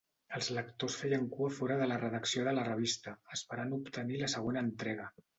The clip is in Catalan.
Els lectors feien cua fora de la redacció de la revista, esperant obtenir la següent entrega.